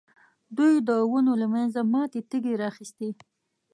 دوی د ونو له منځه ماتې تېږې را اخیستې.